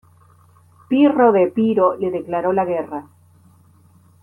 Pirro de Epiro le declaró la guerra.